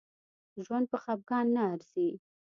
ژوند په خپګان نه ارزي